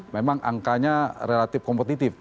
memang angkanya relatif kompetitif